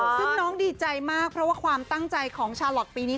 ซึ่งน้องดีใจมากเพราะว่าความตั้งใจของชาลอทปีนี้